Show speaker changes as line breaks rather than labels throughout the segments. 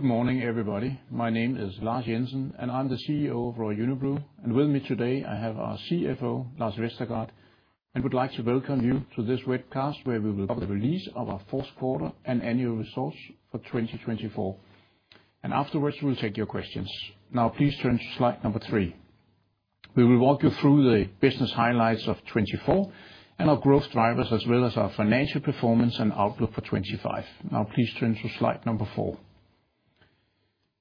Good morning, everybody. My name is Lars Jensen, and I'm the CEO of Royal Unibrew. And with me today, I have our CFO, Lars Vestergaard, and would like to welcome you to this webcast where we will cover the release of our fourth quarter and annual results for 2024. And afterwards, we'll take your questions. Now, please turn to slide number three. We will walk you through the business highlights of 2024 and our growth drivers, as well as our financial performance and outlook for 2025. Now, please turn to slide number four.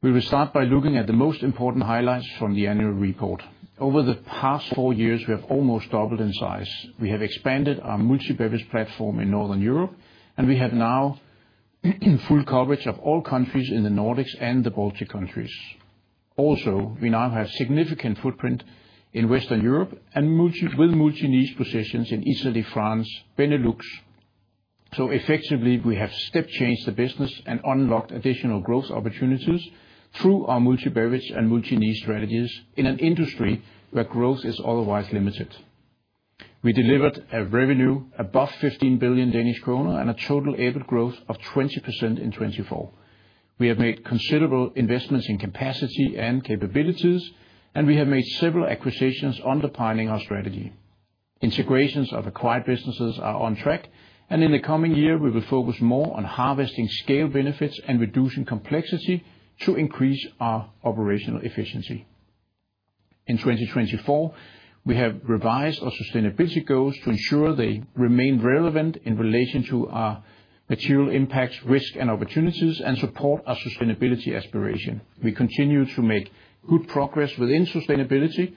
We will start by looking at the most important highlights from the annual report. Over the past four years, we have almost doubled in size. We have expanded our multi-beverage platform in Northern Europe, and we have now full coverage of all countries in the Nordics and the Baltic countries. Also, we now have a significant footprint in Western Europe and with multi-niche positions in Italy, France, and Benelux. So effectively, we have step-changed the business and unlocked additional growth opportunities through our multi-beverage and multi-niche strategies in an industry where growth is otherwise limited. We delivered a revenue above 15 billion Danish kroner and a total EBIT growth of 20% in 2024. We have made considerable investments in capacity and capabilities, and we have made several acquisitions underpinning our strategy. Integrations of acquired businesses are on track, and in the coming year, we will focus more on harvesting scale benefits and reducing complexity to increase our operational efficiency. In 2024, we have revised our sustainability goals to ensure they remain relevant in relation to our material impacts, risk, and opportunities, and support our sustainability aspiration. We continue to make good progress within sustainability,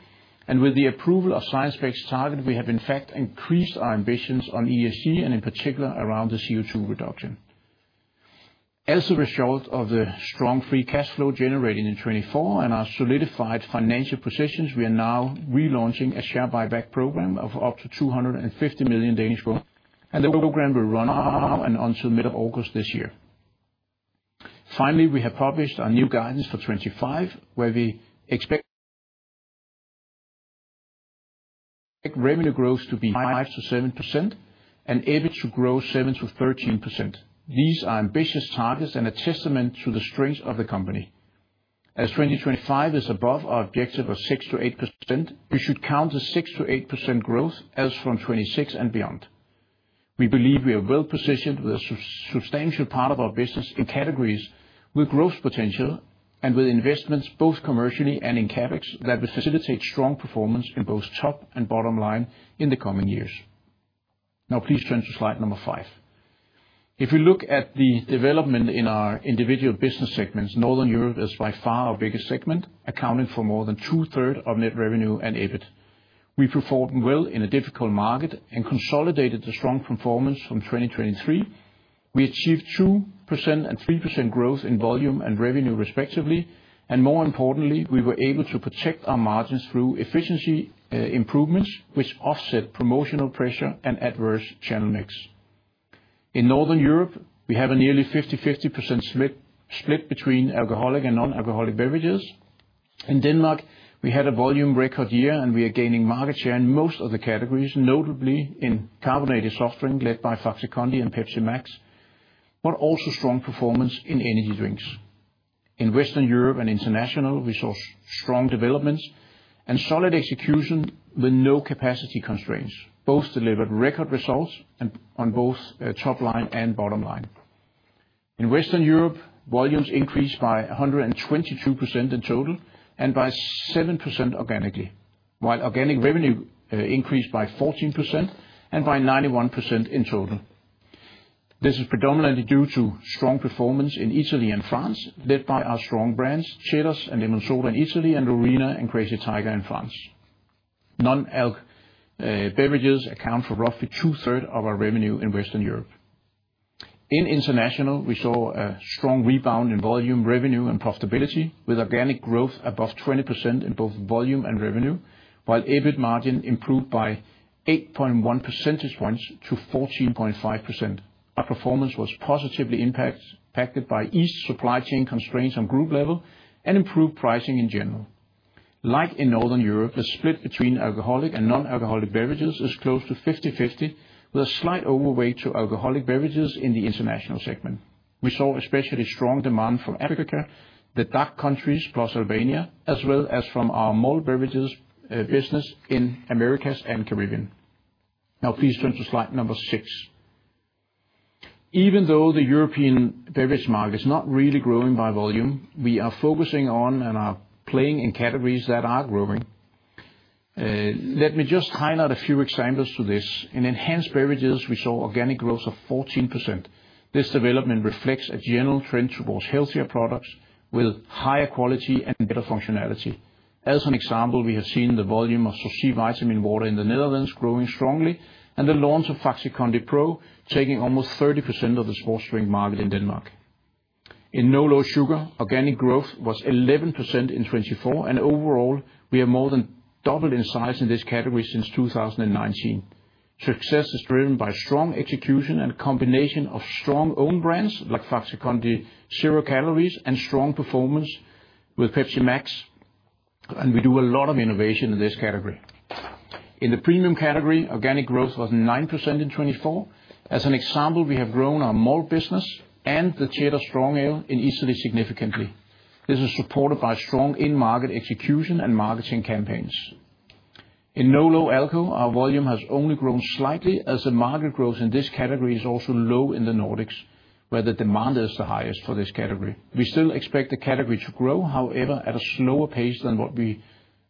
and with the approval of SBTi target, we have, in fact, increased our ambitions on ESG, and in particular, around the CO2 reduction. As a result of the strong free cash flow generated in 2024 and our solidified financial positions, we are now relaunching a share buyback program of up to 250 million Danish kroner, and the program will run on until mid-August this year. Finally, we have published our new guidance for 2025, where we expect revenue growth to be 5%-7% and EBIT to grow 7%-13%. These are ambitious targets and a testament to the strength of the company. As 2025 is above our objective of 6%-8%, we should count the 6%-8% growth as from 2026 and beyond. We believe we are well positioned with a substantial part of our business in categories with growth potential and with investments both commercially and in CapEx that will facilitate strong performance in both top and bottom line in the coming years. Now, please turn to slide number five. If we look at the development in our individual business segments, Northern Europe is by far our biggest segment, accounting for more than two-thirds of net revenue and EBIT. We performed well in a difficult market and consolidated the strong performance from 2023. We achieved 2% and 3% growth in volume and revenue, respectively. And more importantly, we were able to protect our margins through efficiency improvements, which offset promotional pressure and adverse channel mix. In Northern Europe, we have a nearly 50-50% split between alcoholic and non-alcoholic beverages. In Denmark, we had a volume record year, and we are gaining market share in most of the categories, notably in carbonated soft drink led by Faxe Kondi and Pepsi Max, but also strong performance in energy drinks. In Western Europe and International, we saw strong developments and solid execution with no capacity constraints. Both delivered record results on both top line and bottom line. In Western Europe, volumes increased by 122% in total and by 7% organically, while organic revenue increased by 14% and by 91% in total. This is predominantly due to strong performance in Italy and France, led by our strong brands, Ceres and Lemonsoda in Italy, and Lorina and Crazy Tiger in France. Non-alc beverages account for roughly two-thirds of our revenue in Western Europe. In International, we saw a strong rebound in volume, revenue, and profitability, with organic growth above 20% in both volume and revenue, while EBIT margin improved by 8.1 percentage points to 14.5%. Our performance was positively impacted by eased supply chain constraints on group level and improved pricing in general. Like in Northern Europe, the split between alcoholic and non-alcoholic beverages is close to 50-50, with a slight overweight to alcoholic beverages in the International segment. We saw especially strong demand from Africa, the Baltic countries, plus Albania, as well as from our malt beverages business in the Americas and Caribbean. Now, please turn to slide number six. Even though the European beverage market is not really growing by volume, we are focusing on and are playing in categories that are growing. Let me just highlight a few examples to this. In enhanced beverages, we saw organic growth of 14%. This development reflects a general trend towards healthier products with higher quality and better functionality. As an example, we have seen the volume of Sourcy Vitaminwater in the Netherlands growing strongly, and the launch of Faxe Kondi Pro taking almost 30% of the sports drink market in Denmark. In no-low sugar, organic growth was 11% in 2024, and overall, we have more than doubled in size in this category since 2019. Success is driven by strong execution and a combination of strong own brands like Faxe Kondi Zero Calories and strong performance with Pepsi Max, and we do a lot of innovation in this category. In the premium category, organic growth was 9% in 2024. As an example, we have grown our malt business and the Ceres Strong Ale in Italy significantly. This is supported by strong in-market execution and marketing campaigns. In No-low alcohol, our volume has only grown slightly as the market growth in this category is also low in the Nordics, where the demand is the highest for this category. We still expect the category to grow, however, at a slower pace than what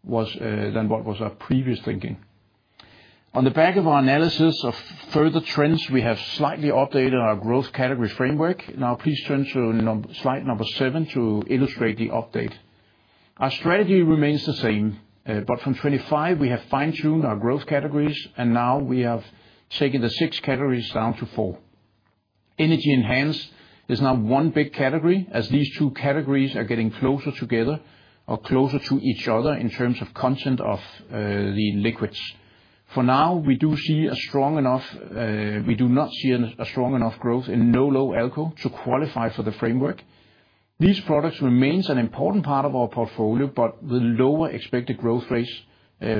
was our previous thinking. On the back of our analysis of further trends, we have slightly updated our growth category framework. Now, please turn to slide number seven to illustrate the update. Our strategy remains the same, but from 2025, we have fine-tuned our growth categories, and now we have taken the six categories down to four. Energy Enhanced is now one big category, as these two categories are getting closer together or closer to each other in terms of content of the liquids. For now, we do not see a strong enough growth in No-low alcohol to qualify for the framework. These products remain an important part of our portfolio, but with lower expected growth rates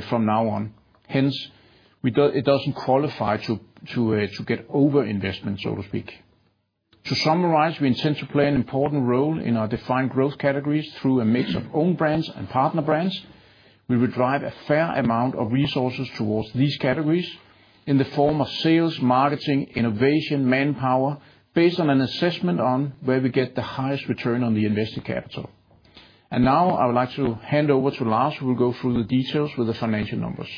from now on. Hence, it doesn't qualify to get over-investment, so to speak. To summarize, we intend to play an important role in our defined growth categories through a mix of own brands and partner brands. We will drive a fair amount of resources towards these categories in the form of sales, marketing, innovation, manpower, based on an assessment on where we get the highest return on the invested capital. And now, I would like to hand over to Lars, who will go through the details with the financial numbers.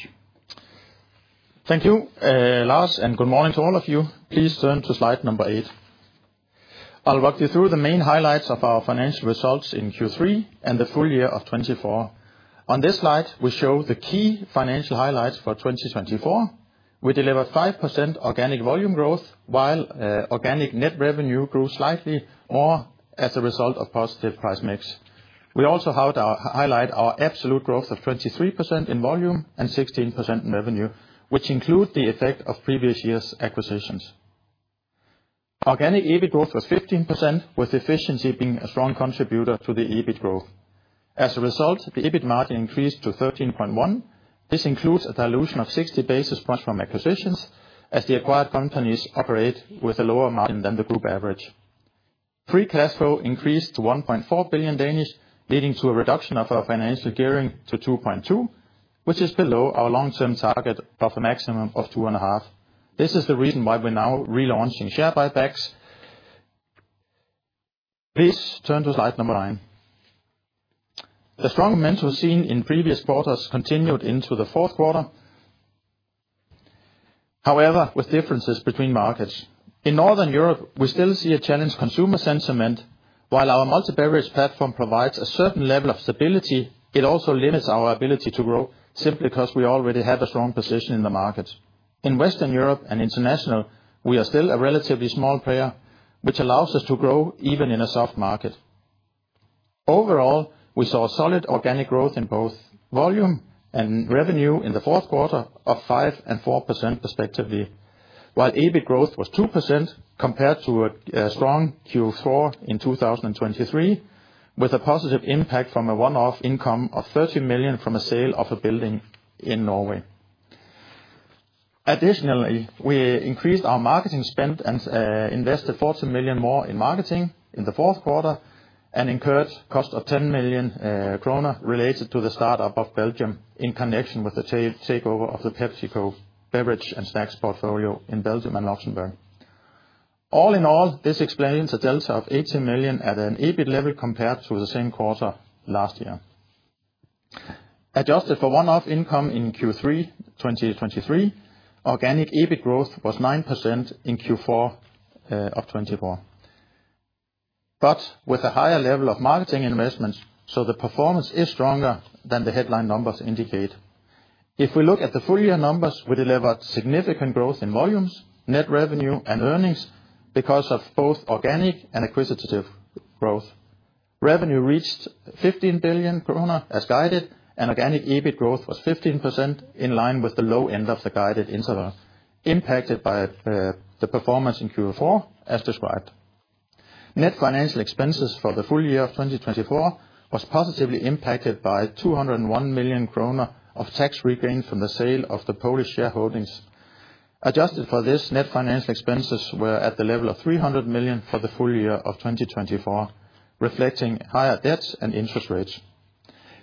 Thank you, Lars, and good morning to all of you. Please turn to slide number eight. I'll walk you through the main highlights of our financial results in Q3 and the full year of 2024. On this slide, we show the key financial highlights for 2024. We delivered 5% organic volume growth, while organic net revenue grew slightly more as a result of positive price mix. We also highlight our absolute growth of 23% in volume and 16% in revenue, which includes the effect of previous year's acquisitions. Organic EBIT growth was 15%, with efficiency being a strong contributor to the EBIT growth. As a result, the EBIT margin increased to 13.1%. This includes a dilution of 60 basis points from acquisitions, as the acquired companies operate with a lower margin than the group average. Free cash flow increased to 1.4 billion, leading to a reduction of our financial gearing to 2.2, which is below our long-term target of a maximum of 2.5. This is the reason why we're now relaunching share buybacks. Please turn to slide number nine. The strong momentum seen in previous quarters continued into the fourth quarter, however, with differences between markets. In Northern Europe, we still see a challenge in consumer sentiment. While our multi-beverage platform provides a certain level of stability, it also limits our ability to grow simply because we already have a strong position in the markets. In Western Europe and International, we are still a relatively small player, which allows us to grow even in a soft market. Overall, we saw solid organic growth in both volume and revenue in the fourth quarter of 5% and 4% respectively, while EBIT growth was 2% compared to a strong Q4 in 2023, with a positive impact from a one-off income of 30 million from a sale of a building in Norway. Additionally, we increased our marketing spend and invested 40 million more in marketing in the fourth quarter and incurred a cost of 10 million kroner related to the startup of Belgium in connection with the takeover of the PepsiCo beverage and snacks portfolio in Belgium and Luxembourg. All in all, this explains a delta of 18 million at an EBIT level compared to the same quarter last year. Adjusted for one-off income in Q3 2023, organic EBIT growth was 9% in Q4 of 2024, but with a higher level of marketing investments, so the performance is stronger than the headline numbers indicate. If we look at the full year numbers, we delivered significant growth in volumes, net revenue, and earnings because of both organic and acquisitive growth. Revenue reached 15 billion krone as guided, and organic EBIT growth was 15% in line with the low end of the guided interval, impacted by the performance in Q4 as described. Net financial expenses for the full year of 2024 were positively impacted by 201 million kroner of tax regained from the sale of the Polish shareholdings. Adjusted for this, net financial expenses were at the level of 300 million for the full year of 2024, reflecting higher debts and interest rates.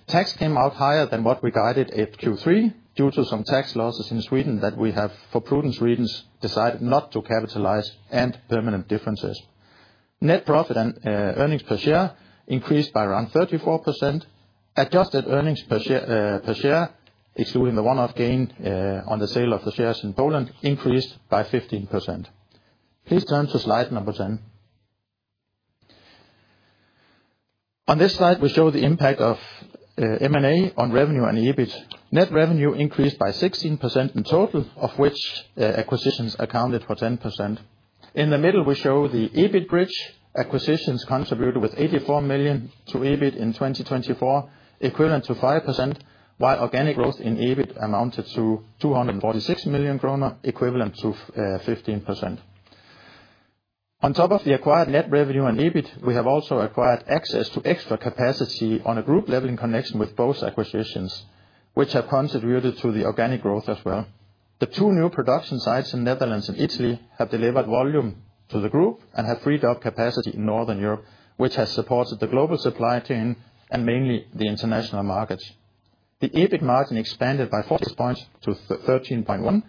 Tax came out higher than what we guided at Q3 due to some tax losses in Sweden that we have, for prudence reasons, decided not to capitalize and permanent differences. Net profit and earnings per share increased by around 34%. Adjusted earnings per share, excluding the one-off gain on the sale of the shares in Poland, increased by 15%. Please turn to slide number 10. On this slide, we show the impact of M&A on revenue and EBIT. Net revenue increased by 16% in total, of which acquisitions accounted for 10%. In the middle, we show the EBIT bridge. Acquisitions contributed with 84 million to EBIT in 2024, equivalent to 5%, while organic growth in EBIT amounted to 246 million kroner, equivalent to 15%. On top of the acquired net revenue and EBIT, we have also acquired access to extra capacity on a group level in connection with both acquisitions, which have contributed to the organic growth as well. The two new production sites in the Netherlands and Italy have delivered volume to the group and have freed up capacity in Northern Europe, which has supported the global supply chain and mainly the International markets. The EBIT margin expanded by 40 points to 13.1%.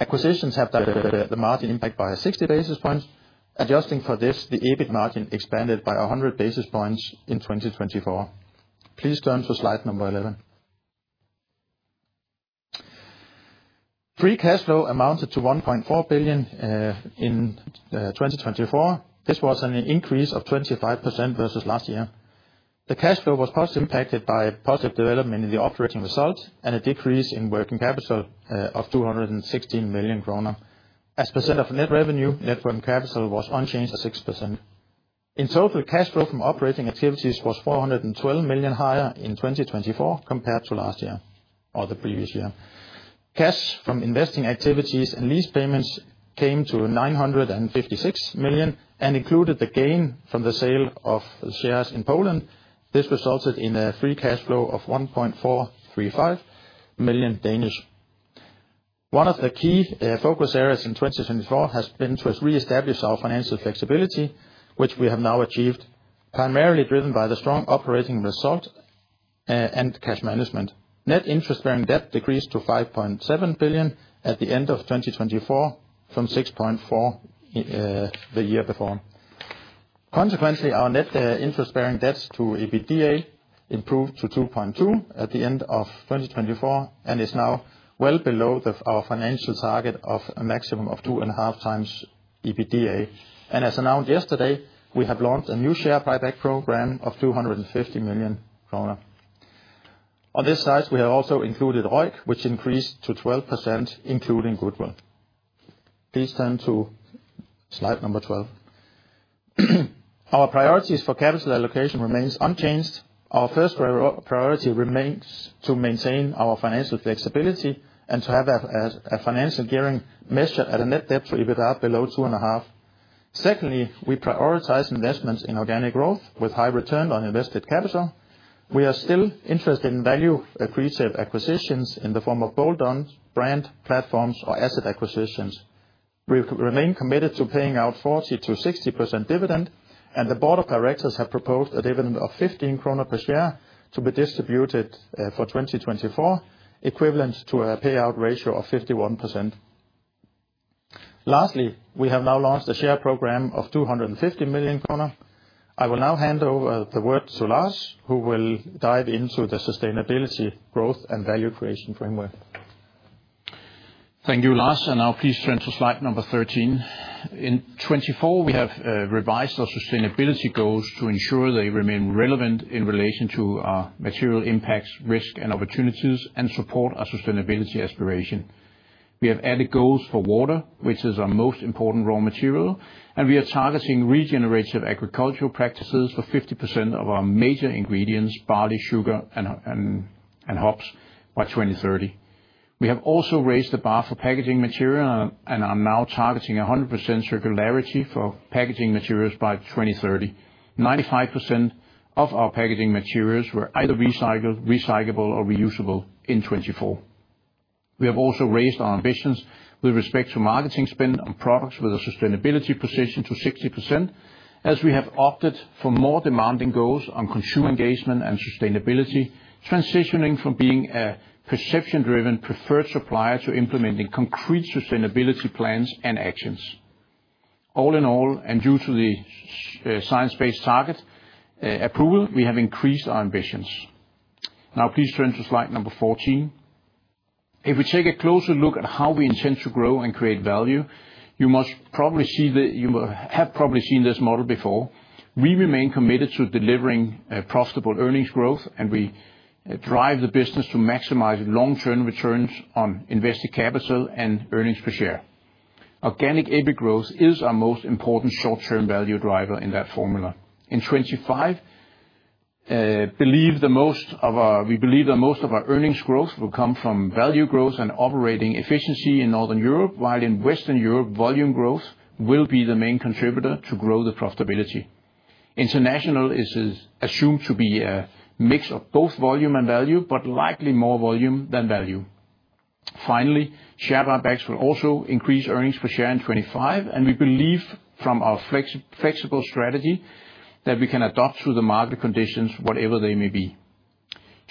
Acquisitions have the margin impact by 60 basis points. Adjusting for this, the EBIT margin expanded by 100 basis points in 2024. Please turn to slide number 11. Free cash flow amounted to 1.4 billion in 2024. This was an increase of 25% versus last year. The cash flow was positively impacted by positive development in the operating result and a decrease in working capital of 216 million kroner. As percent of net revenue, net working capital was unchanged at 6%. In total, cash flow from operating activities was 412 million higher in 2024 compared to last year or the previous year. Cash from investing activities and lease payments came to 956 million and included the gain from the sale of shares in Poland. This resulted in a free cash flow of 1,435 million. One of the key focus areas in 2024 has been to reestablish our financial flexibility, which we have now achieved, primarily driven by the strong operating result and cash management. Net interest-bearing debt decreased to 5.7 billion at the end of 2024 from 6.4 billion the year before. Consequently, our net interest-bearing debt to EBITDA improved to 2.2 at the end of 2024 and is now well below our financial target of a maximum of 2.5 times EBITDA. As announced yesterday, we have launched a new share buyback program of 250 million kroner. On this slide, we have also included ROIC, which increased to 12%, including goodwill. Please turn to slide number 12. Our priorities for capital allocation remain unchanged. Our first priority remains to maintain our financial flexibility and to have a financial gearing measured at a net debt to EBITDA below 2.5. Secondly, we prioritize investments in organic growth with high return on invested capital. We are still interested in value-creative acquisitions in the form of bolt-ons, brand platforms, or asset acquisitions. We remain committed to paying out 40%-60% dividend, and the Board of Directors have proposed a dividend of 15 kroner per share to be distributed for 2024, equivalent to a payout ratio of 51%. Lastly, we have now launched a share program of 250 million kroner. I will now hand over the word to Lars, who will dive into the sustainability growth and value creation framework.
Thank you, Lars, and now, please turn to slide number 13. In 2024, we have revised our sustainability goals to ensure they remain relevant in relation to our material impacts, risk, and opportunities, and support our sustainability aspiration. We have added goals for water, which is our most important raw material, and we are targeting regenerative agricultural practices for 50% of our major ingredients, barley, sugar, and hops by 2030. We have also raised the bar for packaging material and are now targeting 100% circularity for packaging materials by 2030. 95% of our packaging materials were either recyclable or reusable in 2024. We have also raised our ambitions with respect to marketing spend on products with a sustainability position to 60%, as we have opted for more demanding goals on consumer engagement and sustainability, transitioning from being a perception-driven preferred supplier to implementing concrete sustainability plans and actions. All in all, and due to the science-based target approval, we have increased our ambitions. Now, please turn to slide number 14. If we take a closer look at how we intend to grow and create value, you must probably see that you have probably seen this model before. We remain committed to delivering profitable earnings growth, and we drive the business to maximize long-term returns on invested capital and earnings per share. Organic EBIT growth is our most important short-term value driver in that formula. In 2025, we believe that most of our earnings growth will come from value growth and operating efficiency in Northern Europe, while in Western Europe, volume growth will be the main contributor to grow the profitability. International is assumed to be a mix of both volume and value, but likely more volume than value. Finally, share buybacks will also increase earnings per share in 2025, and we believe from our flexible strategy that we can adapt to the market conditions, whatever they may be.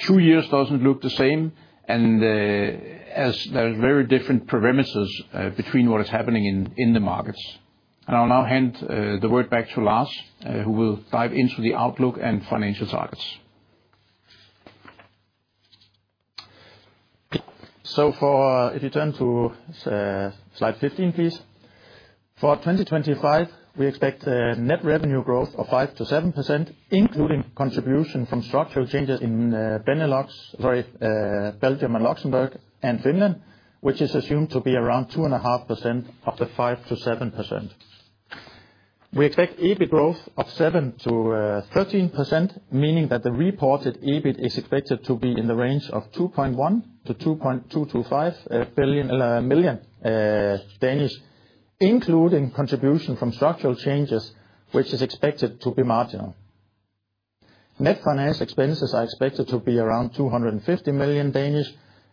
Two years doesn't look the same, and there are very different parameters between what is happening in the markets, and I'll now hand the word back to Lars, who will dive into the outlook and financial targets.
If you turn to slide 15, please. For 2025, we expect net revenue growth of 5%-7%, including contribution from structural changes in Belgium and Luxembourg and Finland, which is assumed to be around 2.5% of the 5%-7%. We expect EBIT growth of 7%-13%, meaning that the reported EBIT is expected to be in the range of 2.1 million-2.225 million, including contribution from structural changes, which is expected to be marginal. Net finance expenses are expected to be around 250 million,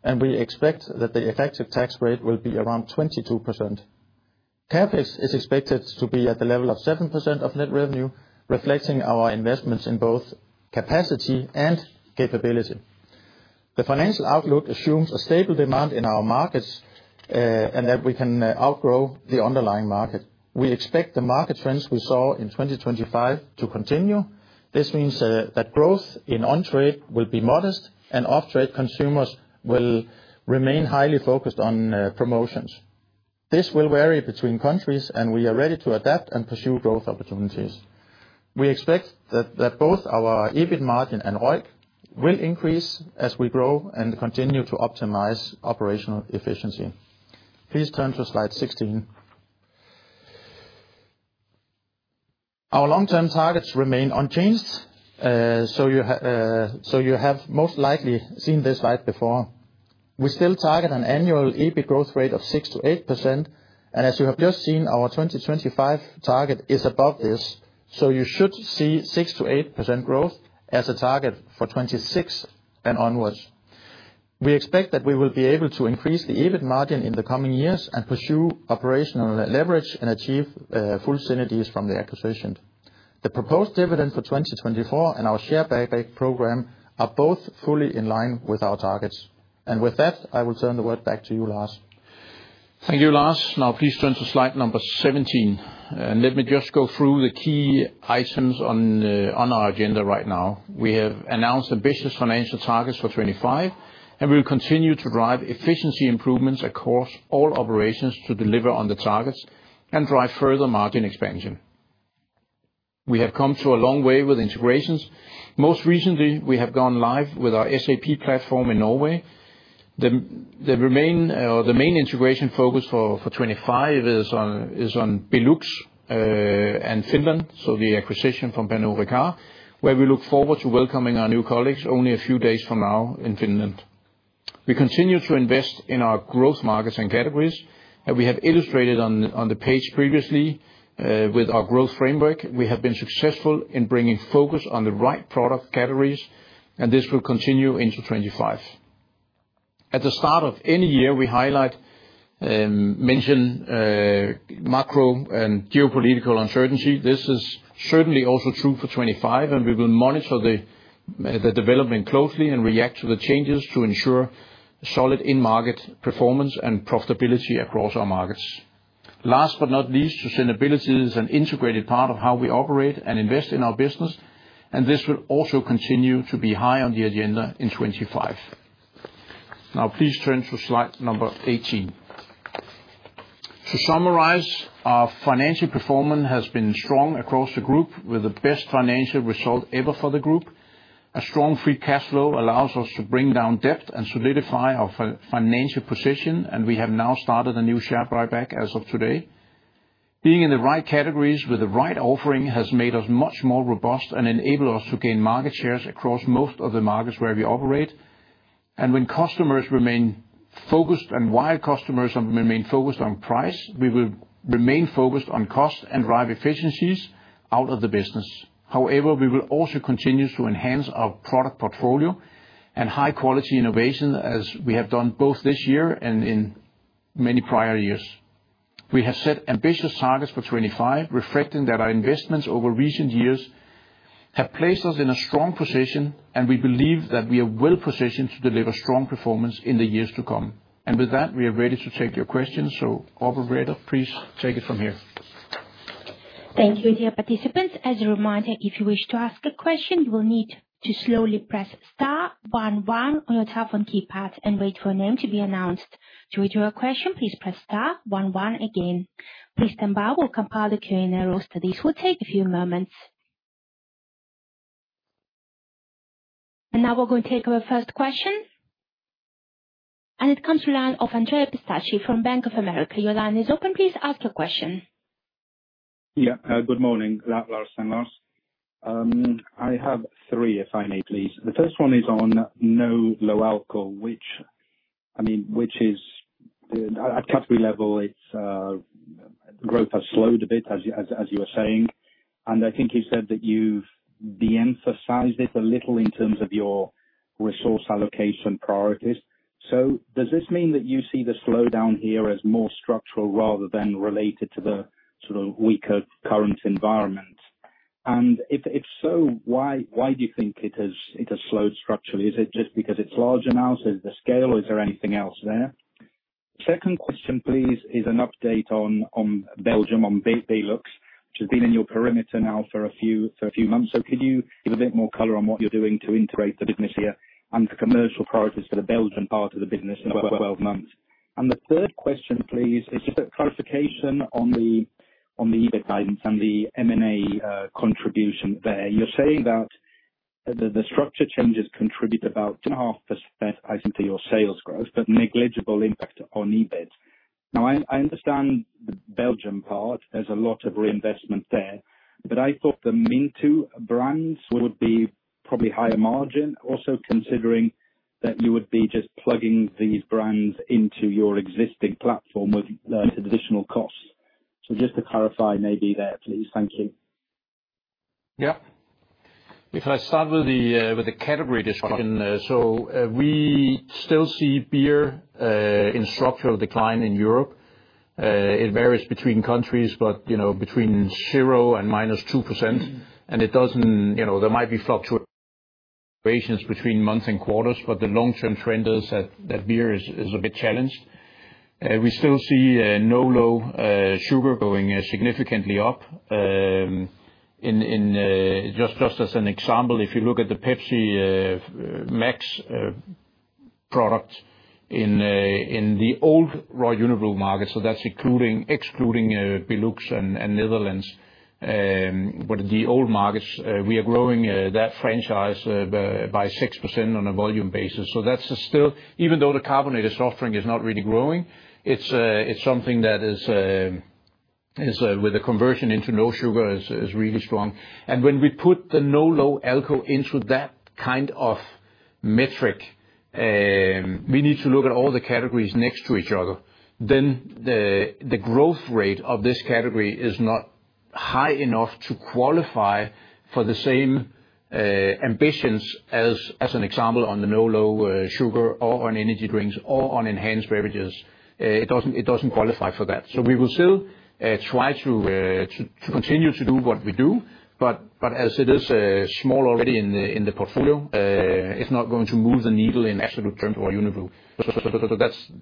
and we expect that the effective tax rate will be around 22%. CapEx is expected to be at the level of 7% of net revenue, reflecting our investments in both capacity and capability. The financial outlook assumes a stable demand in our markets and that we can outgrow the underlying market. We expect the market trends we saw in 2025 to continue. This means that growth in on-trade will be modest, and off-trade consumers will remain highly focused on promotions. This will vary between countries, and we are ready to adapt and pursue growth opportunities. We expect that both our EBIT margin and ROIC will increase as we grow and continue to optimize operational efficiency. Please turn to slide 16. Our long-term targets remain unchanged, so you have most likely seen this slide before. We still target an annual EBIT growth rate of 6%-8%, and as you have just seen, our 2025 target is above this, so you should see 6%-8% growth as a target for 2026 and onwards. We expect that we will be able to increase the EBIT margin in the coming years and pursue operational leverage and achieve full synergies from the acquisition. The proposed dividend for 2024 and our share buyback program are both fully in line with our targets, and with that, I will turn it back to you, Lars.
Thank you, Lars. Now, please turn to slide number 17, and let me just go through the key items on our agenda right now. We have announced ambitious financial targets for 2025, and we will continue to drive efficiency improvements across all operations to deliver on the targets and drive further margin expansion. We have come a long way with integrations. Most recently, we have gone live with our SAP platform in Norway. The main integration focus for 2025 is on BeLux and Finland, so the acquisition from Pernod Ricard, where we look forward to welcoming our new colleagues only a few days from now in Finland. We continue to invest in our growth markets and categories, and we have illustrated on the page previously with our growth framework. We have been successful in bringing focus on the right product categories, and this will continue into 2025. At the start of any year, we highlight, mention macro and geopolitical uncertainty. This is certainly also true for 2025, and we will monitor the development closely and react to the changes to ensure solid in-market performance and profitability across our markets. Last but not least, sustainability is an integrated part of how we operate and invest in our business, and this will also continue to be high on the agenda in 2025. Now, please turn to slide number 18. To summarize, our financial performance has been strong across the group with the best financial result ever for the group. A strong free cash flow allows us to bring down debt and solidify our financial position, and we have now started a new share buyback as of today. Being in the right categories with the right offering has made us much more robust and enabled us to gain market shares across most of the markets where we operate. While customers remain focused on price, we will remain focused on cost and drive efficiencies out of the business. However, we will also continue to enhance our product portfolio and high-quality innovation, as we have done both this year and in many prior years. We have set ambitious targets for 2025, reflecting that our investments over recent years have placed us in a strong position, and we believe that we are well positioned to deliver strong performance in the years to come. And with that, we are ready to take your questions. Operator, please take it from here.
Thank you, dear participants. As a reminder, if you wish to ask a question, you will need to slowly press Star, 1-1 on your telephone keypad and wait for a name to be announced. To return a question, please press Star, 1-1 again. Please stand by. We'll compile the Q&A roll, so this will take a few moments. And now we're going to take our first question. And it comes from the line of Andrea Pistacchi from Bank of America. Your line is open. Please ask your question.
Yeah, good morning, Lars Jensen. I have three, if I may, please. The first one is on no low alcohol, which, I mean, which is at category level, its growth has slowed a bit, as you were saying. And I think you said that you've de-emphasized it a little in terms of your resource allocation priorities. So does this mean that you see the slowdown here as more structural rather than related to the sort of weaker current environment? And if so, why do you think it has slowed structurally? Is it just because it's large now, so the scale, or is there anything else there? Second question, please, is an update on Belgium, on BeLux, which has been in your perimeter now for a few months. So could you give a bit more color on what you're doing to integrate the business here and the commercial priorities for the Belgian part of the business in the 12 months? And the third question, please, is just a clarification on the EBIT guidance and the M&A contribution there. You're saying that the structure changes contribute about 2.5%, I think, to your sales growth, but negligible impact on EBIT. Now, I understand the Belgian part, there's a lot of reinvestment there, but I thought the Minttu brands would be probably higher margin, also considering that you would be just plugging these brands into your existing platform with additional costs. So just to clarify maybe there, please. Thank you.
Yeah. If I start with the category discussion, so we still see beer in structural decline in Europe. It varies between countries, but between 0% and -2%, and it doesn't, there might be fluctuations between months and quarters, but the long-term trend is that beer is a bit challenged. We still see no low sugar going significantly up. Just as an example, if you look at the Pepsi Max product in the old Royal Unibrew market, so that's excluding BeLux and Netherlands, but the old markets, we are growing that franchise by 6% on a volume basis. So that's still, even though the carbonated soft drink is not really growing, it's something that is with the conversion into no sugar is really strong. And when we put the no low alcohol into that kind of metric, we need to look at all the categories next to each other. Then the growth rate of this category is not high enough to qualify for the same ambitions as, as an example, on the no-low sugar or on energy drinks or on enhanced beverages. It doesn't qualify for that. So we will still try to continue to do what we do, but as it is small already in the portfolio, it's not going to move the needle in absolute terms of Royal Unibrew. So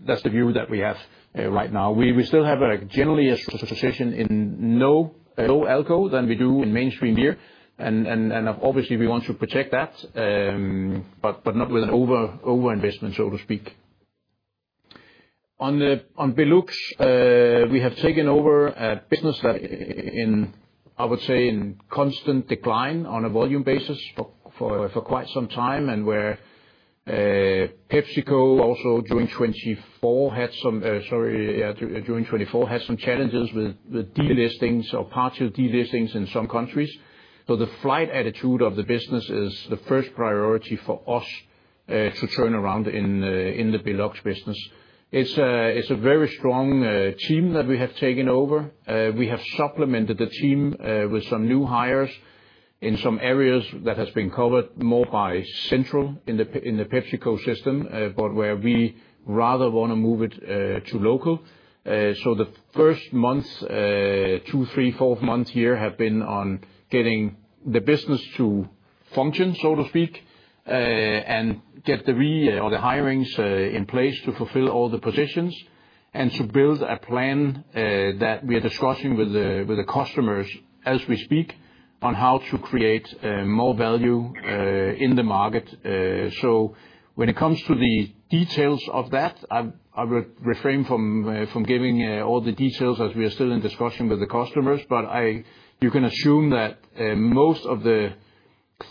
that's the view that we have right now. We still have generally a position in No-low alcohol than we do in mainstream beer, and obviously, we want to protect that, but not with an over-investment, so to speak. On BeLux, we have taken over a business that, I would say, is in constant decline on a volume basis for quite some time, and where PepsiCo also during 2024 had some challenges with delistings or partial delistings in some countries, so the flight attitude of the business is the first priority for us to turn around in the BeLux business. It's a very strong team that we have taken over. We have supplemented the team with some new hires in some areas that have been covered more by central in the PepsiCo system, but where we rather want to move it to local. So the first month, two, three, fourth month here have been on getting the business to function, so to speak, and get the hirings in place to fulfill all the positions and to build a plan that we are discussing with the customers as we speak on how to create more value in the market. So when it comes to the details of that, I would refrain from giving all the details as we are still in discussion with the customers, but you can assume that most of the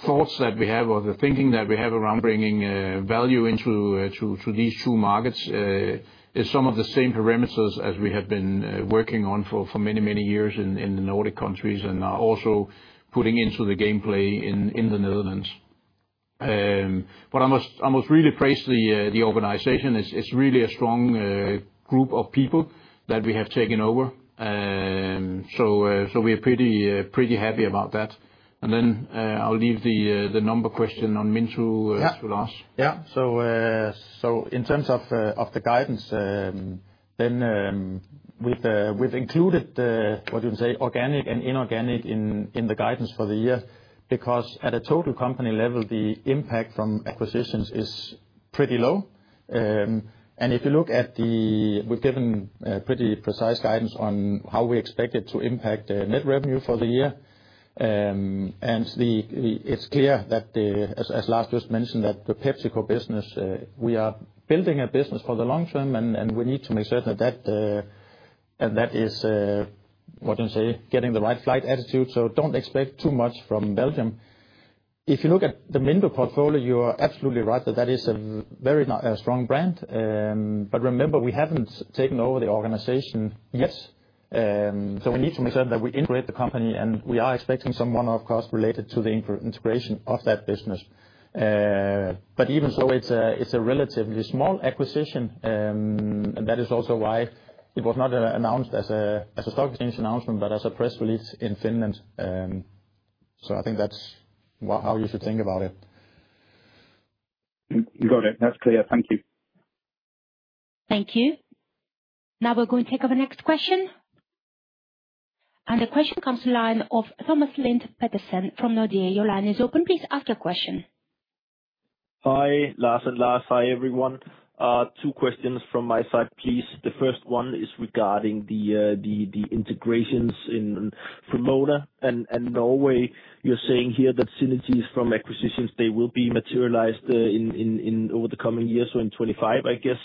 thoughts that we have or the thinking that we have around bringing value into these two markets is some of the same parameters as we have been working on for many, many years in the Nordic countries and also putting into the game plan in the Netherlands. But I must really praise the organization. It's really a strong group of people that we have taken over, so we are pretty happy about that, and then I'll leave the number question on Minttu to Lars. Yeah, so in terms of the guidance, then we've included what you can say organic and inorganic in the guidance for the year because at a total company level, the impact from acquisitions is pretty low, and if you look at the - we've given pretty precise guidance on how we expect it to impact net revenue for the year, and it's clear that, as Lars just mentioned, that the PepsiCo business, we are building a business for the long term, and we need to make certain that that is, what do you say, getting the right flight attitude, so don't expect too much from Belgium. If you look at the Minttu portfolio, you are absolutely right that that is a very strong brand. But remember, we haven't taken over the organization yet. So we need to make certain that we integrate the company, and we are expecting some one-off cost related to the integration of that business. But even so, it's a relatively small acquisition, and that is also why it was not announced as a stock exchange announcement, but as a press release in Finland. So I think that's how you should think about it.
Got it. That's clear. Thank you.
Thank you. Now we're going to take our next question, and the question comes from the line of Thomas Lind Petersen from Nordea. Your line is open. Please ask your question.
Hi, Lars and Lars. Hi, everyone. Two questions from my side, please. The first one is regarding the integrations in Vrumona and Norway. You're saying here that synergies from acquisitions, they will be materialized over the coming years, so in 2025, I guess.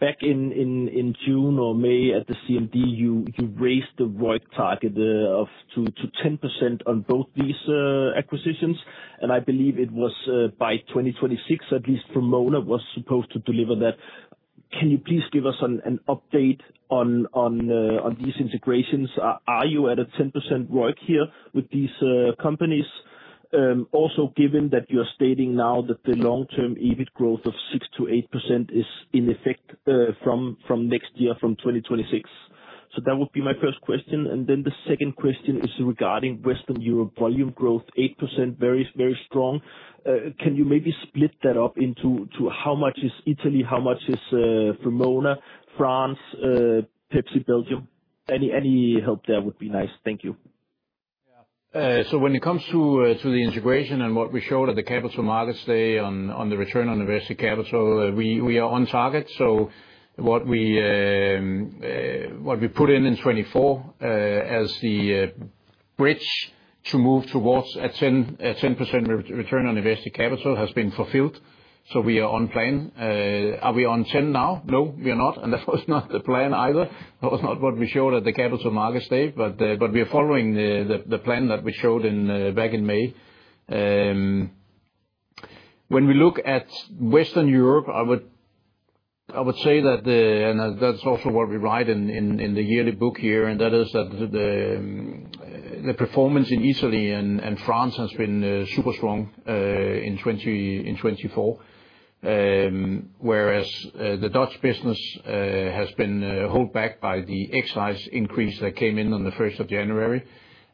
Back in June or May at the CMD, you raised the ROIC target to 10% on both these acquisitions. And I believe it was by 2026, at least Vrumona was supposed to deliver that. Can you please give us an update on these integrations? Are you at a 10% ROIC here with these companies, also given that you're stating now that the long-term EBIT growth of 6%-8% is in effect from next year, from 2026? So that would be my first question. And then the second question is regarding Western Europe volume growth, 8%, very, very strong. Can you maybe split that up into how much is Italy, how much is Vrumona, France, Pepsi Belgium? Any help there would be nice. Thank you.
Yeah. So when it comes to the integration and what we showed at the Capital Markets Day on the return on invested capital, we are on target. So what we put in in 2024 as the bridge to move towards a 10% return on invested capital has been fulfilled. So we are on plan. Are we on 10 now? No, we are not. And that was not the plan either. That was not what we showed at the Capital Markets Day, but we are following the plan that we showed back in May. When we look at Western Europe, I would say that, and that's also what we write in the yearly book here, and that is that the performance in Italy and France has been super strong in 2024, whereas the Dutch business has been held back by the excise increase that came in on the 1st of January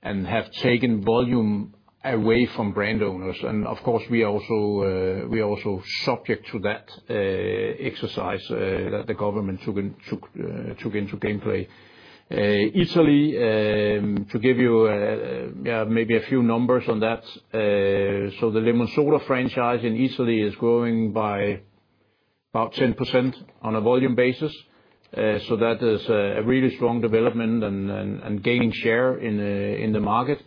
and have taken volume away from brand owners, and of course, we are also subject to that exercise that the government took into play. Italy, to give you maybe a few numbers on that, so the Lemon Soda franchise in Italy is growing by about 10% on a volume basis. So that is a really strong development and gaining share in the market.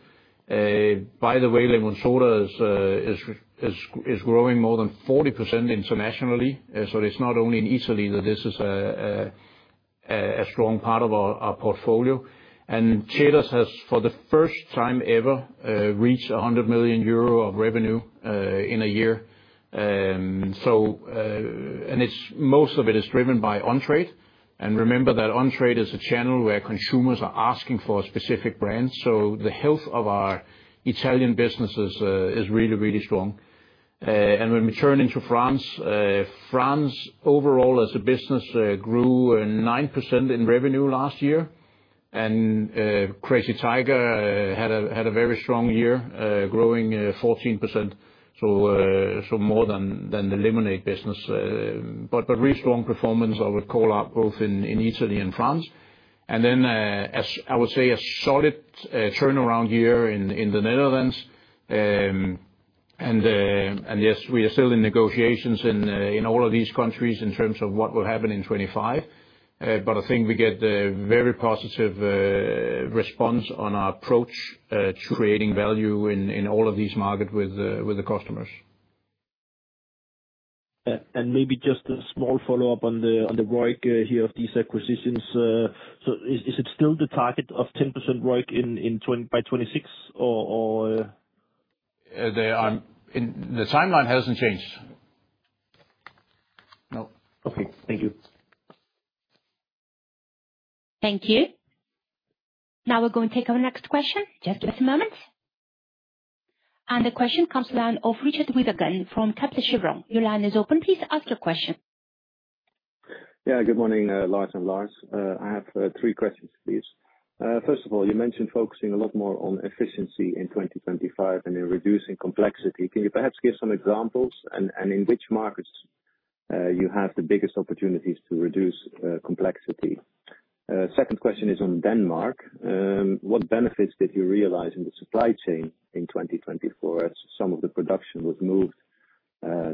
By the way, Lemon Soda is growing more than 40% Internationally. So it's not only in Italy that this is a strong part of our portfolio. Ceres has, for the first time ever, reached 100 million euro of revenue in a year. Most of it is driven by on-trade. Remember that on-trade is a channel where consumers are asking for specific brands. The health of our Italian businesses is really, really strong. When we turn into France, France overall as a business grew 9% in revenue last year. Crazy Tiger had a very strong year, growing 14%, so more than the lemonade business. Really strong performance, I would call out both in Italy and France. Then, I would say, a solid turnaround year in the Netherlands. Yes, we are still in negotiations in all of these countries in terms of what will happen in 2025. I think we get a very positive response on our approach to creating value in all of these markets with the customers.
Maybe just a small follow-up on the ROIC here of these acquisitions. Is it still the target of 10% ROIC by 2026, or?
The timeline hasn't changed. No.
Okay. Thank you.
Thank you. Now we're going to take our next question. Just give us a moment, and the question comes now of Richard Withagen from Kepler Cheuvreux. Your line is open. Please ask your question.
Yeah. Good morning, Lars and Lars. I have three questions, please. First of all, you mentioned focusing a lot more on efficiency in 2025 and in reducing complexity. Can you perhaps give some examples and in which markets you have the biggest opportunities to reduce complexity? Second question is on Denmark. What benefits did you realize in the supply chain in 2024 as some of the production was moved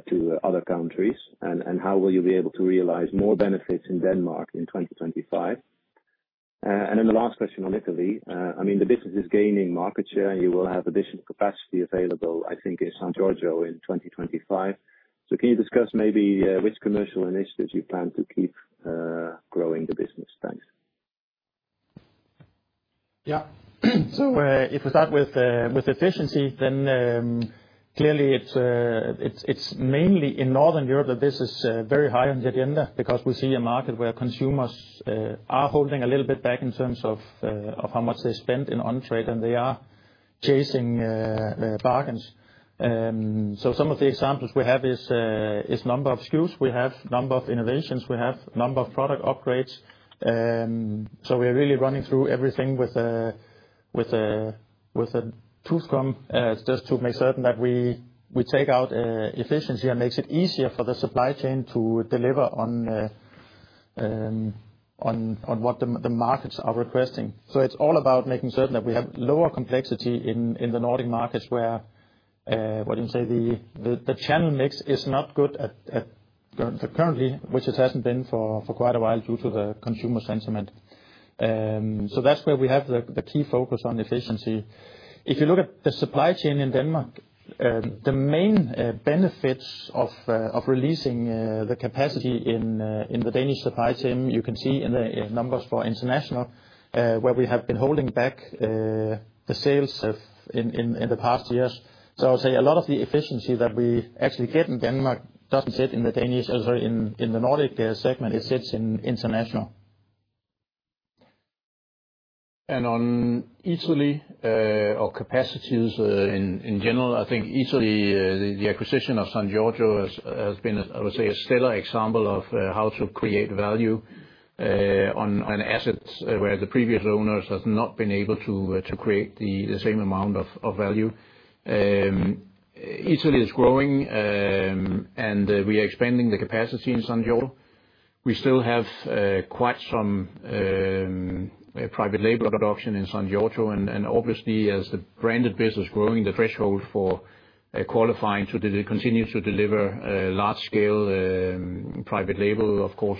to other countries? And how will you be able to realize more benefits in Denmark in 2025? And then the last question on Italy. I mean, the business is gaining market share. You will have additional capacity available, I think, in San Giorgio in 2025. So can you discuss maybe which commercial initiatives you plan to keep growing the business? Thanks.
Yeah. So if we start with efficiency, then clearly it's mainly in Northern Europe that this is very high on the agenda because we see a market where consumers are holding a little bit back in terms of how much they spend in on-trade and they are chasing bargains. So some of the examples we have is number of SKUs. We have number of innovations. We have number of product upgrades. So we are really running through everything with a tooth comb just to make certain that we take out efficiency and make it easier for the supply chain to deliver on what the markets are requesting. So it's all about making certain that we have lower complexity in the Nordic markets where, what do you say, the channel mix is not good currently, which it hasn't been for quite a while due to the consumer sentiment. So that's where we have the key focus on efficiency. If you look at the supply chain in Denmark, the main benefits of releasing the capacity in the Danish supply chain, you can see in the numbers for International where we have been holding back the sales in the past years. So I would say a lot of the efficiency that we actually get in Denmark doesn't sit in the Danish, sorry, in the Nordic segment. It sits in International.
And on Italy or capacities in general, I think Italy, the acquisition of San Giorgio has been, I would say, a stellar example of how to create value on an asset where the previous owners have not been able to create the same amount of value. Italy is growing, and we are expanding the capacity in San Giorgio. We still have quite some private label production in San Giorgio. And obviously, as the branded business is growing, the threshold for qualifying to continue to deliver large-scale private label, of course,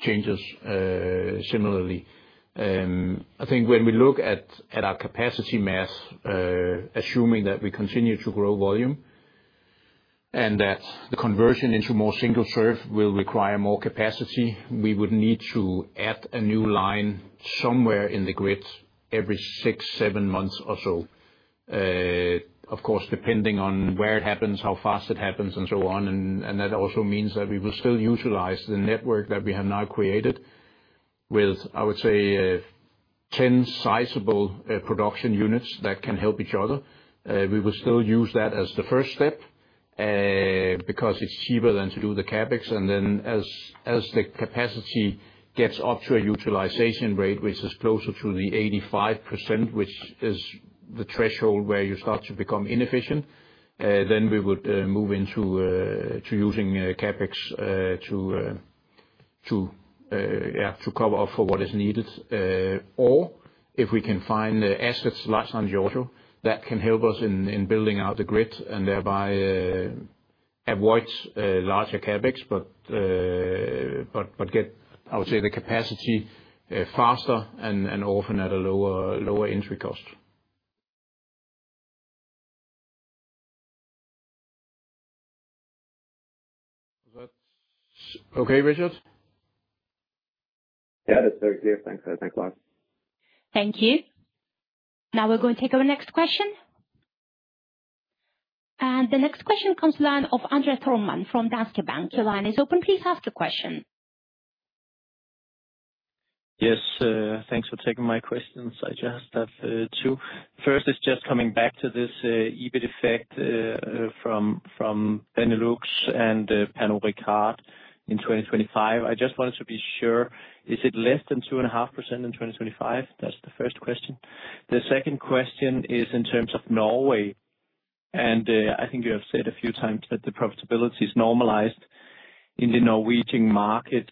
changes similarly. I think when we look at our capacity math, assuming that we continue to grow volume and that the conversion into more single serve will require more capacity, we would need to add a new line somewhere in the grid every six, seven months or so, of course, depending on where it happens, how fast it happens, and so on. And that also means that we will still utilize the network that we have now created with, I would say, 10 sizable production units that can help each other. We will still use that as the first step because it's cheaper than to do the CapEx. And then as the capacity gets up to a utilization rate, which is closer to the 85%, which is the threshold where you start to become inefficient, then we would move into using CapEx to cover up for what is needed. Or if we can find assets like San Giorgio that can help us in building out the grid and thereby avoid larger CapEx, but get, I would say, the capacity faster and often at a lower entry cost. Is that okay, Richard?
Yeah, that's very clear. Thanks, Lars.
Thank you. Now we're going to take our next question. And the next question comes to the line of André Thormann from Danske Bank. Your line is open. Please ask your question.
Yes. Thanks for taking my questions. I just have two. First is just coming back to this EBIT effect from Benelux and Pernod Ricard in 2025. I just wanted to be sure, is it less than 2.5% in 2025? That's the first question. The second question is in terms of Norway. And I think you have said a few times that the profitability is normalized in the Norwegian market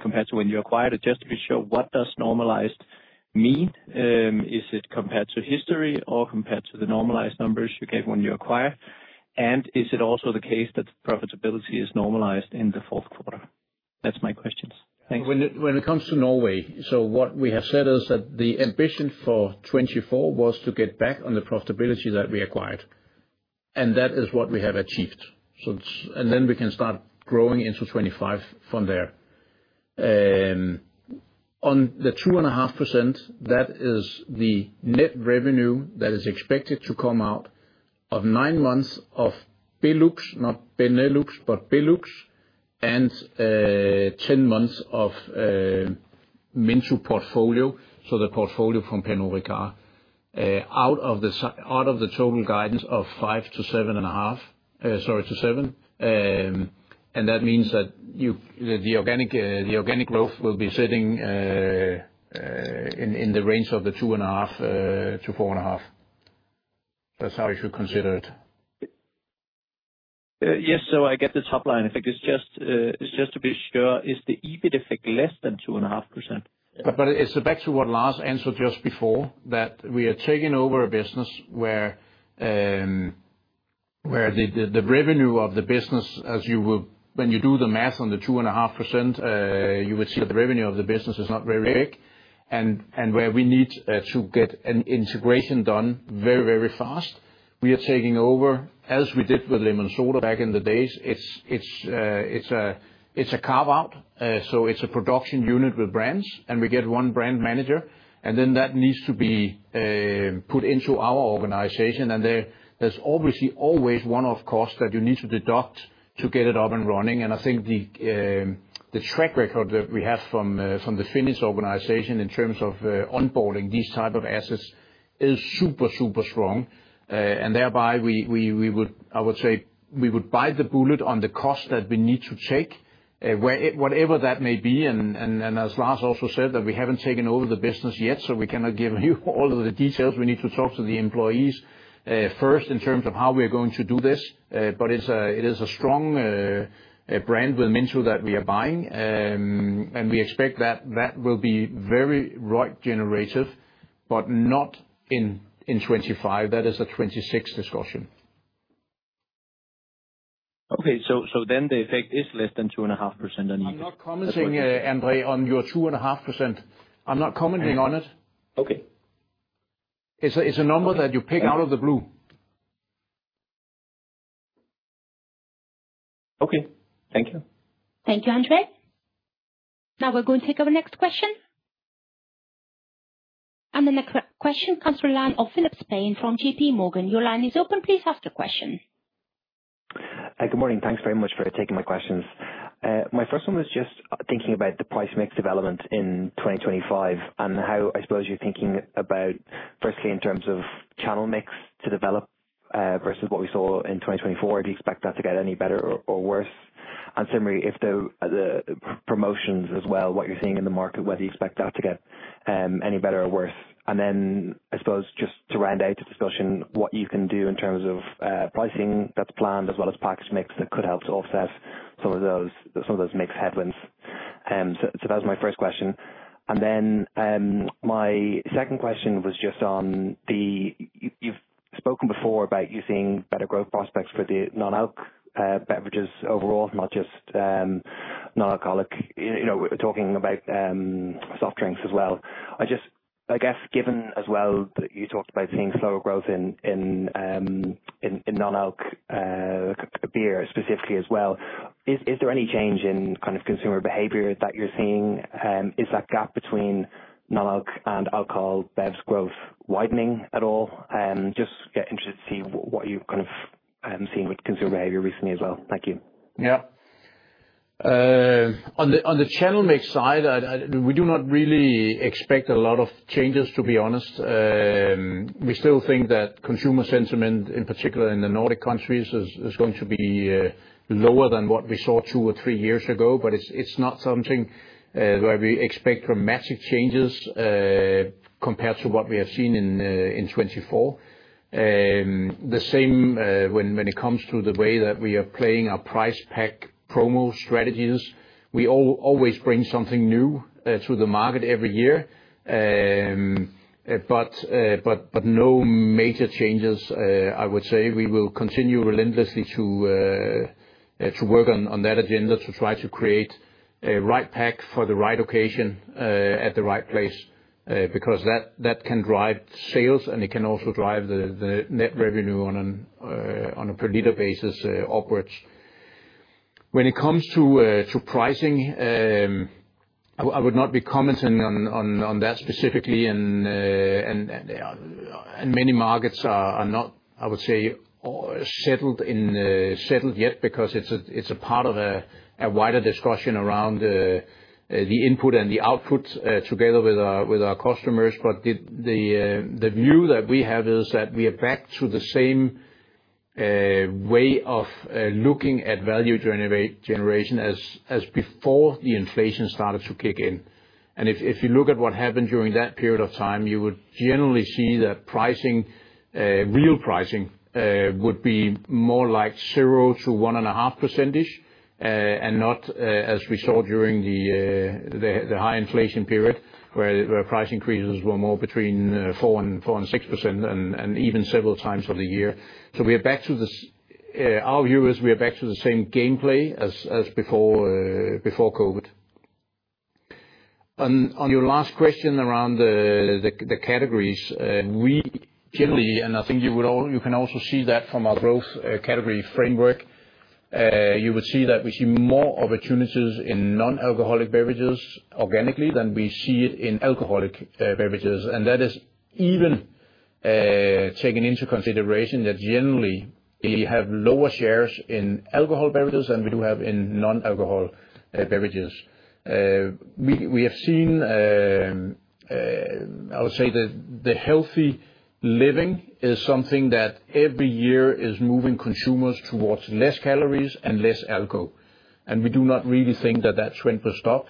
compared to when you acquired it. Just to be sure, what does normalized mean? Is it compared to history or compared to the normalized numbers you gave when you acquired? And is it also the case that profitability is normalized in the fourth quarter? That's my questions. Thanks.
When it comes to Norway, so what we have said is that the ambition for 2024 was to get back on the profitability that we acquired, and that is what we have achieved, and then we can start growing into 2025 from there. On the 2.5%, that is the net revenue that is expected to come out of nine months of BeLux, not Benelux, but BeLux, and 10 months of Minttu portfolio, so the portfolio from Pernod Ricard, out of the total guidance of 5%-7.5%, sorry, to 7%. And that means that the organic growth will be sitting in the range of the 2.5%-4.5%. That's how you should consider it.
Yes. So I get the top line. If it is just to be sure, is the EBIT effect less than 2.5%?
But it's back to what Lars answered just before, that we are taking over a business where the revenue of the business, as you will, when you do the math on the 2.5%, you would see that the revenue of the business is not very big. And where we need to get an integration done very, very fast, we are taking over, as we did with Lemon Soda back in the days. It's a carve-out. So it's a production unit with brands, and we get one brand manager. And then that needs to be put into our organization. And there's obviously always one-off costs that you need to deduct to get it up and running. And I think the track record that we have from the Finnish organization in terms of onboarding these types of assets is super, super strong. And thereby, I would say we would bite the bullet on the cost that we need to take, whatever that may be. And as Lars also said, that we haven't taken over the business yet, so we cannot give you all of the details. We need to talk to the employees first in terms of how we are going to do this. But it is a strong brand with Minttu that we are buying. And we expect that that will be very ROIC generative, but not in 2025. That is a 2026 discussion.
Okay. So then the effect is less than 2.5% on EBIT?
I'm not commenting, André, on your 2.5%. I'm not commenting on it.
Okay.
It's a number that you pick out of the blue.
Okay. Thank you.
Thank you, André. Now we're going to take our next question, and the next question comes to the line of Philippa Spence from J.P. Morgan. Your line is open. Please ask the question.
Good morning. Thanks very much for taking my questions. My first one was just thinking about the price mix development in 2025 and how I suppose you're thinking about, firstly, in terms of channel mix to develop versus what we saw in 2024. Do you expect that to get any better or worse? And similarly, if the promotions as well, what you're seeing in the market, whether you expect that to get any better or worse. And then I suppose just to round out the discussion, what you can do in terms of pricing that's planned as well as package mix that could help to offset some of those mixed headwinds. So that was my first question. And then my second question was just on, you've spoken before about you seeing better growth prospects for the non-alc beverages overall, not just non-alcoholic. We're talking about soft drinks as well. I guess given as well that you talked about seeing slower growth in non-alc beer specifically as well, is there any change in kind of consumer behavior that you're seeing? Is that gap between non-alc and alcohol bevs growth widening at all? Just interested to see what you've kind of seen with consumer behavior recently as well. Thank you.
Yeah. On the channel mix side, we do not really expect a lot of changes, to be honest. We still think that consumer sentiment, in particular in the Nordic countries, is going to be lower than what we saw two or three years ago. But it's not something where we expect dramatic changes compared to what we have seen in 2024. The same when it comes to the way that we are playing our price pack promo strategies. We always bring something new to the market every year, but no major changes, I would say. We will continue relentlessly to work on that agenda to try to create a right pack for the right occasion at the right place because that can drive sales and it can also drive the net revenue on a per-liter basis upwards. When it comes to pricing, I would not be commenting on that specifically. Many markets are not, I would say, settled yet because it's a part of a wider discussion around the input and the output together with our customers. But the view that we have is that we are back to the same way of looking at value generation as before the inflation started to kick in. If you look at what happened during that period of time, you would generally see that pricing, real pricing, would be more like 0%-1.5% and not as we saw during the high inflation period where price increases were more between 4% and 6% and even several times of the year. Our view is we are back to the same gameplay as before COVID. On your last question around the categories, we generally, and I think you can also see that from our growth category framework, you would see that we see more opportunities in non-alcoholic beverages organically than we see it in alcoholic beverages. And that is even taking into consideration that generally we have lower shares in alcoholic beverages than we do have in non-alcoholic beverages. We have seen, I would say, that the healthy living is something that every year is moving consumers towards less calories and less alcohol. And we do not really think that that trend will stop.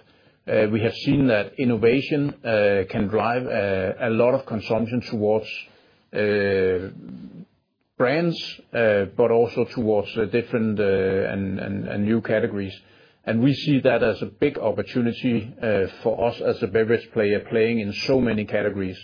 We have seen that innovation can drive a lot of consumption towards brands, but also towards different and new categories. And we see that as a big opportunity for us as a beverage player playing in so many categories.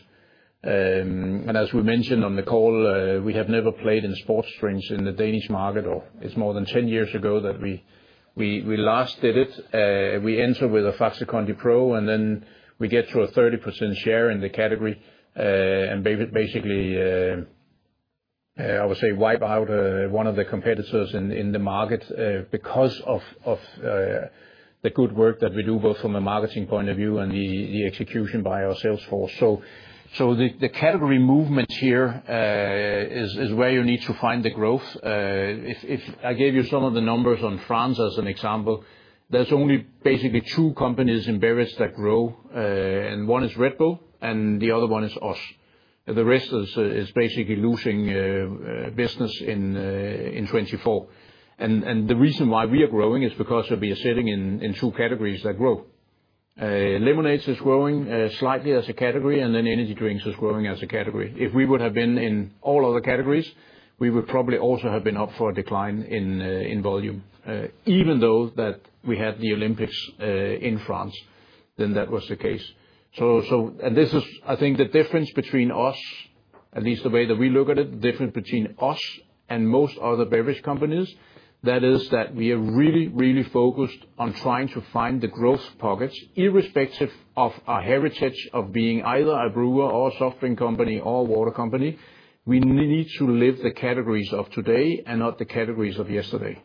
As we mentioned on the call, we have never played in sports drinks in the Danish market, or it's more than 10 years ago that we last did it. We enter with a Faxe Kondi Pro, and then we get to a 30% share in the category. Basically, I would say wipe out one of the competitors in the market because of the good work that we do both from a marketing point of view and the execution by our sales force. The category movement here is where you need to find the growth. If I gave you some of the numbers on France as an example, there's only basically two companies in beverage that grow. And one is Red Bull, and the other one is us. The rest is basically losing business in 2024. And the reason why we are growing is because we are sitting in two categories that grow. Lemonade is growing slightly as a category, and then energy drinks is growing as a category. If we would have been in all other categories, we would probably also have been up for a decline in volume, even though that we had the Olympics in France. Then that was the case. And this is, I think, the difference between us, at least the way that we look at it, the difference between us and most other beverage companies, that is that we are really, really focused on trying to find the growth pockets, irrespective of our heritage of being either a brewer or a soft drink company or a water company. We need to live the categories of today and not the categories of yesterday.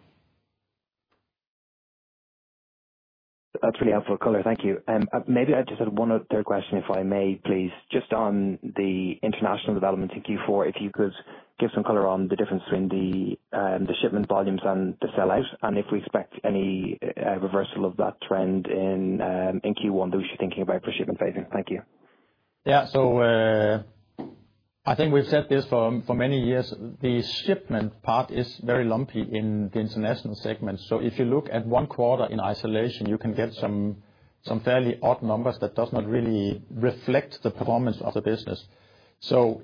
That's really helpful color. Thank you. Maybe I just had one other question, if I may, please. Just on the International development in Q4, if you could give some color on the difference between the shipment volumes and the sellouts, and if we expect any reversal of that trend in Q1 that we should be thinking about for shipment phasing? Thank you.
Yeah. So I think we've said this for many years. The shipment part is very lumpy in the International segment. So if you look at one quarter in isolation, you can get some fairly odd numbers that do not really reflect the performance of the business. So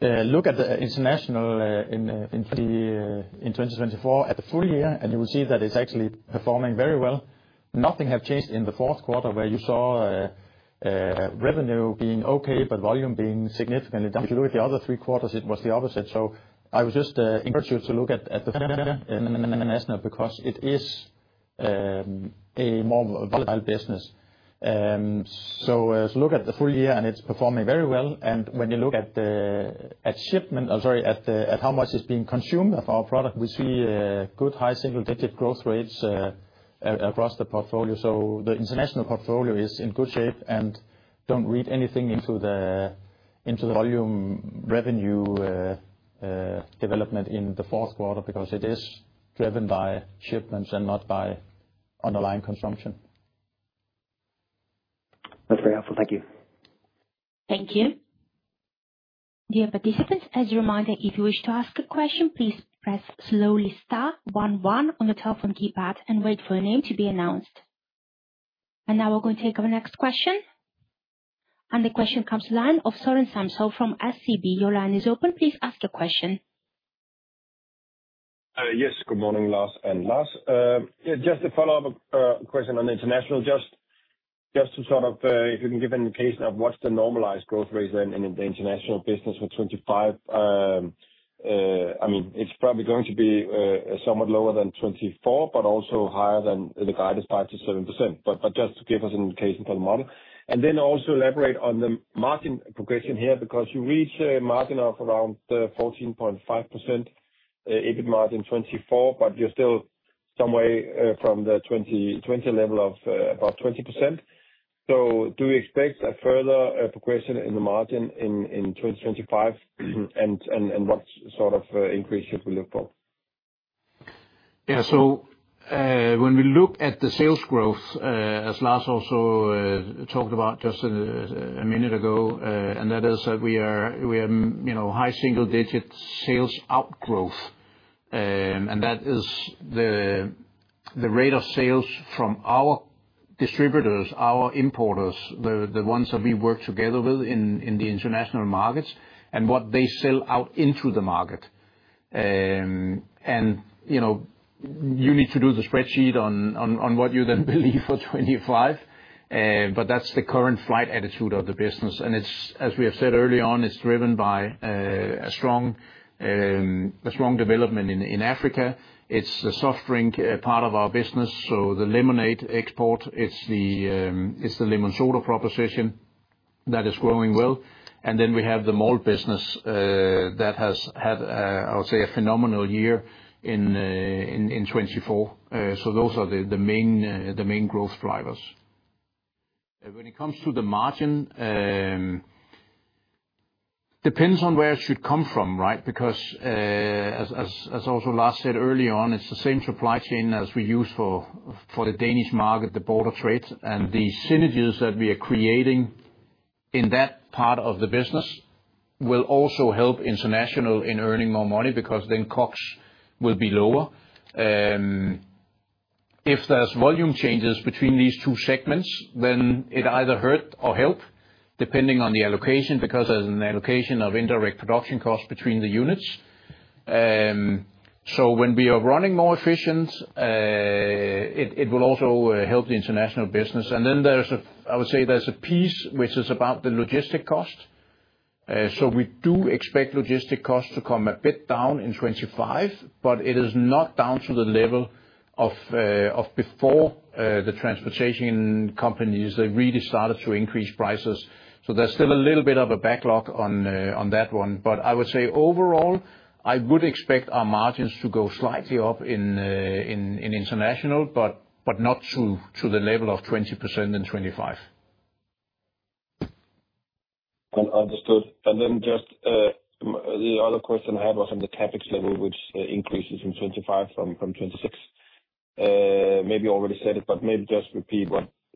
look at the International in 2024 at the full year, and you will see that it's actually performing very well. Nothing has changed in the fourth quarter where you saw revenue being okay, but volume being significantly down. If you look at the other three quarters, it was the opposite. So I would just encourage you to look at the International because it is a more volatile business. So look at the full year, and it's performing very well. And when you look at shipment, I'm sorry, at how much is being consumed of our product, we see good high single-digit growth rates across the portfolio. So the International portfolio is in good shape. And don't read anything into the volume revenue development in the fourth quarter because it is driven by shipments and not by underlying consumption.
That's very helpful. Thank you.
Thank you. Dear participants, as a reminder, if you wish to ask a question, please press slowly star one one on the telephone keypad and wait for a name to be announced. And now we're going to take our next question. And the question comes to the line of Søren Samsøe from SEB, your line is open. Please ask a question.
Yes. Good morning, Lars and Lars. Just a follow-up question on International. Just to sort of, if you can give an indication of what's the normalized growth rate in the International business for 2025, I mean, it's probably going to be somewhat lower than 2024, but also higher than the guidance 5%-7%. But just to give us an indication for the model. And then also elaborate on the margin progression here because you reach a margin of around 14.5% EBIT margin 2024, but you're still some way from the 2020 level of about 20%. So do we expect a further progression in the margin in 2025, and what sort of increase should we look for?
Yeah. So when we look at the sales growth, as Lars also talked about just a minute ago, and that is that we have high single-digit sales growth. And that is the rate of sales from our distributors, our importers, the ones that we work together with in the International markets, and what they sell out into the market. And you need to do the spreadsheet on what you then believe for 2025, but that's the current flight path of the business. And as we have said early on, it's driven by a strong development in Africa. It's the soft drink part of our business. So the lemonade export, it's the lemon soda proposition that is growing well. And then we have the malt business that has had, I would say, a phenomenal year in 2024. So those are the main growth drivers. When it comes to the margin, it depends on where it should come from, right? Because as also Lars said early on, it's the same supply chain as we use for the Danish market, the border trade. And the synergies that we are creating in that part of the business will also help International in earning more money because then COGS will be lower. If there's volume changes between these two segments, then it either hurt or help, depending on the allocation because there's an allocation of indirect production costs between the units. So when we are running more efficient, it will also help the International business. And then there's, I would say, there's a piece which is about the logistic cost. So we do expect logistics costs to come a bit down in 2025, but it is not down to the level of before the transportation companies that really started to increase prices. So there's still a little bit of a backlog on that one. But I would say overall, I would expect our margins to go slightly up in International, but not to the level of 20% in 2025.
Understood. And then just the other question I had was on the CapEx level, which increases in 2025 from 2026. Maybe you already said it, but maybe just repeat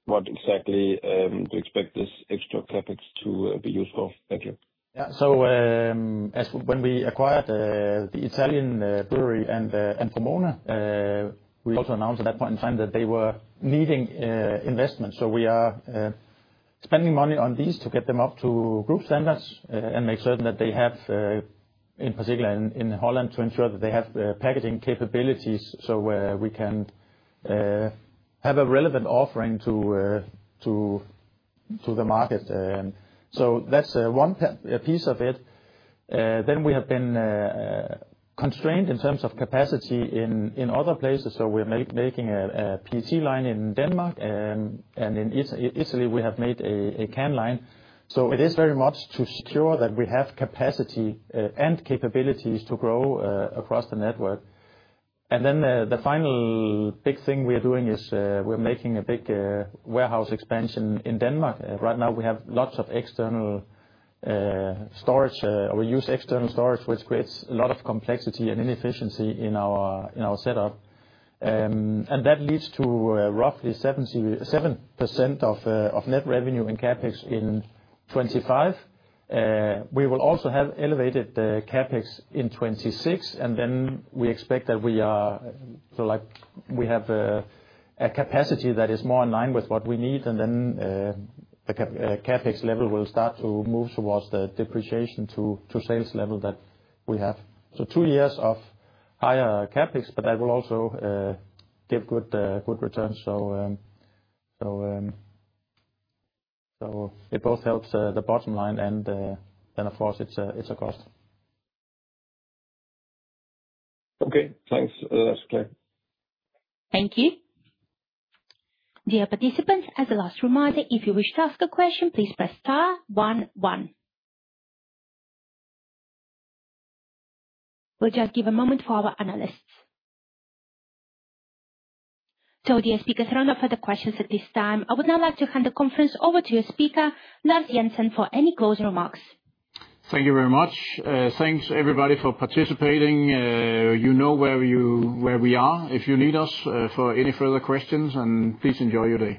what exactly do you expect this extra CapEx to be used for? Thank you.
Yeah. So when we acquired the Italian brewery and Vrumona, we also announced at that point in time that they were needing investment. So we are spending money on these to get them up to group standards and make certain that they have, in particular in Holland, to ensure that they have packaging capabilities so we can have a relevant offering to the market. So that's one piece of it. Then we have been constrained in terms of capacity in other places. So we are making a PET line in Denmark, and in Italy, we have made a can line. So it is very much to secure that we have capacity and capabilities to grow across the network. And then the final big thing we are doing is we're making a big warehouse expansion in Denmark. Right now, we have lots of external storage or we use external storage, which creates a lot of complexity and inefficiency in our setup, and that leads to roughly 7% of net revenue in CapEx in 2025. We will also have elevated CapEx in 2026, and then we expect that we have a capacity that is more in line with what we need, and then the CapEx level will start to move towards the depreciation to sales level that we have, so two years of higher CapEx, but that will also give good returns, so it both helps the bottom line and then, of course, it's a cost.
Okay. Thanks. That's clear.
Thank you. Dear participants, as a last reminder, if you wish to ask a question, please press star one one. We'll just give a moment for our analysts. So dear speakers, there are no further questions at this time. I would now like to hand the conference over to your speaker, Lars Jensen, for any closing remarks.
Thank you very much. Thanks, everybody, for participating. You know where we are if you need us for any further questions, and please enjoy your day.